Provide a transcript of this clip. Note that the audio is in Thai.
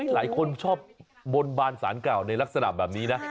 หลายคนชอบบนบานสารเก่าในลักษณะแบบนี้นะ